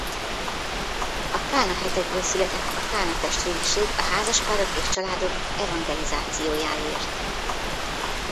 A Kána-hetekből született a Kána Testvériség a házaspárok és családok evangelizációjáért.